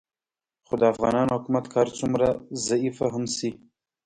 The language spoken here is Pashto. خو د افغانانو حکومت که هر څومره ضعیفه هم شي